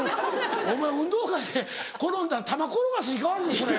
お前運動会で転んだら玉転がしに変わるぞそれ。